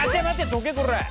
どけこら！